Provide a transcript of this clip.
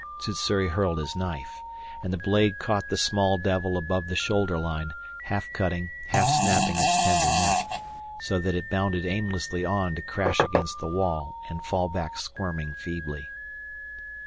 Sssuri hurled his knife, and the blade caught the small devil above the shoulder line, half cutting, half snapping its tender neck, so that it bounded aimlessly on to crash against the wall and fall back squirming feebly.